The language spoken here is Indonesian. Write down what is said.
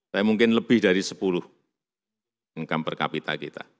saya mungkin lebih dari sepuluh income per capita kita